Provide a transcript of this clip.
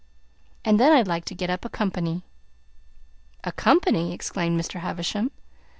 And then I'd like to get up a company." "A company!" exclaimed Mr. Havisham.